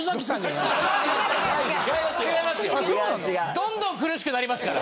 どんどん苦しくなりますから。